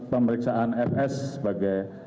pemeriksaan fs sebagai